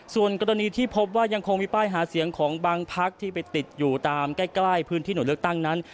ส่วนกรณีที่พบว่ายังคงมีป้ายหาเสียงของบางพักที่ไปติดอยู่ตามใกล้พื้นที่หน่วยเลือกตั้งนั้น